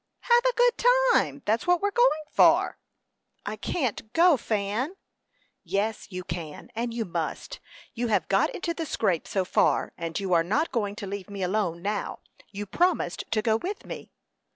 "Have a good time; that's what we are going for?" "I can't go, Fan." "Yes, you can; and you must. You have got into the scrape so far, and you are not going to leave me alone now. You promised to go with me."